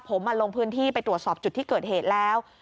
ผมลงพื้นที่ไปตรวจสอบจุดที่เกิดเหตุแล้ว